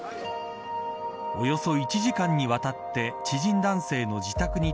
およそ１時間にわたって知人男性の自宅に